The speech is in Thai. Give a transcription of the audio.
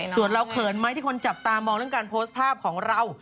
ส่วนเราเขินไหมที่คนจับตามองเรื่องการโพสต์ภาพของเรา